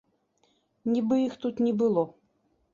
Нібы іх тут не было.